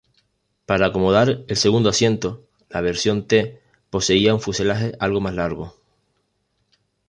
Para acomodar el segundo asiento, la versión T poseía un fuselaje algo más largo.